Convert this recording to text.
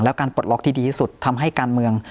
แล้วการปลดล็อกที่ดีที่สุดทำให้การเมือง